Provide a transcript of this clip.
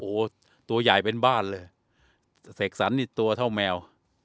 โอ้โหตัวใหญ่เป็นบ้านเลยเสกสรรนี่ตัวเท่าแมว